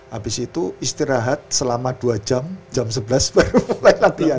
habis itu istirahat selama dua jam jam sebelas baru naik latihan